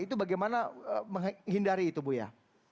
itu bagaimana menghindari itu buya